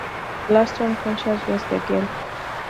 The last one "conscious" wins the game.